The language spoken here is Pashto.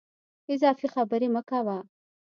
اضافي خبري مه کوه !